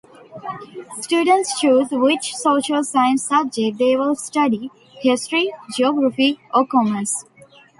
Students choose which Social Science subject they will study - History, Geography or Commerce.